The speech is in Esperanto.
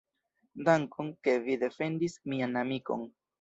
Dankon, ke vi defendis mian amikon.